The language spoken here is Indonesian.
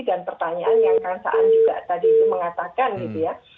dan pertanyaan yang kan saat juga tadi itu mengatakan gitu ya